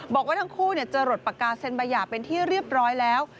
บอกว่าทั้งคู่จะหลดปากกาเซ็นบาหยาเป็นที่เรียบร้อยแล้ว